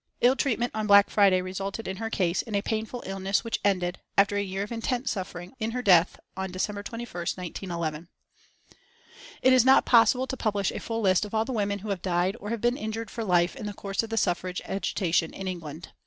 Ill treatment on Black Friday resulted in her case in a painful illness which ended, after a year of intense suffering, in her death on December 21st, 1911. It is not possible to publish a full list of all the women who have died or have been injured for life in the course of the suffrage agitation in England.